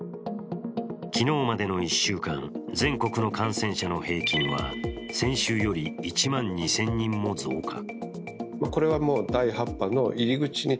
昨日までの１週間、全国の感染者の平均は、先週より１万２０００人も増加。